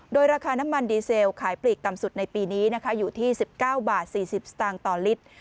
โดยราคาน้ำมันดีเซลขายปลีกต่ำสุดในปีนี้นะคะอยู่ที่๑๙บาท๔๐สตางค์ต่อลิตร